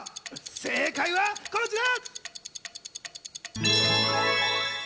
正解はこちら！